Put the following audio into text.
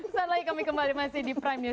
sesaat lagi kami kembali masih di prime news